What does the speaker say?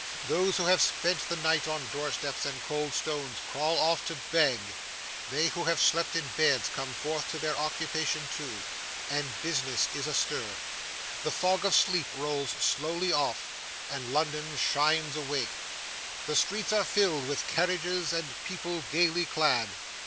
Those who have spent the night on doorsteps and cold stones crawl off to beg; they who have slept in beds come forth to their occupation, too, and business is astir. The fog of sleep rolls slowly off, and London shines awake. The streets are filled with carriages and people gaily clad.